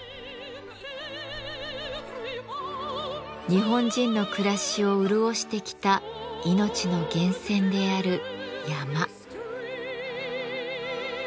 日本人の暮らしを潤してきた命の源泉である山。